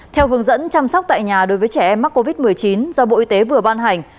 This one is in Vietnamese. theo hướng dẫn chăm sóc tại nhà đối với trẻ em mắc covid một mươi chín do bộ y tế vừa ban hành